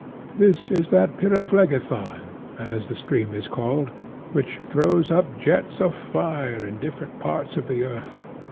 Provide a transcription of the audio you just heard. This is that Pyriphlegethon, as the stream is called, which throws up jets of fire in different parts of the earth.